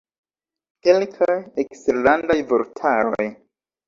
Kelkaj eksterlandaj vortaroj.